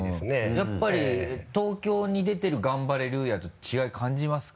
やっぱり東京に出てるガンバレルーヤと違い感じますか？